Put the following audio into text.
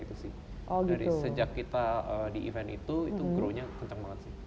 dari sejak kita di event itu itu grow nya kencang banget sih